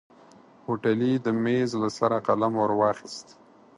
هوټلي د ميز له سره قلم ور واخيست.